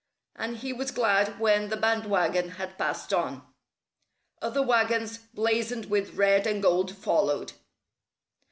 And he was glad when the band wagon had passed on. Other wagons, blazoned with red and gold, followed.